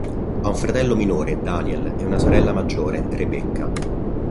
Ha un fratello minore, Daniel, e una sorella maggiore, Rebecca.